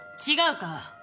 違うか？